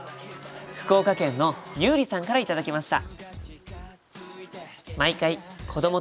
福岡県のユーリさんから頂きました。